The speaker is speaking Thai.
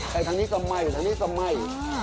แต่ทางนี้ก็ไหม้ทางนี้ก็ไหม้